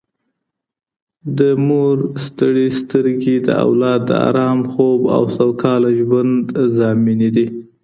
د مور ستړې سترګې د اولاد د ارام خوب او سوکاله ژوند ضامنې دي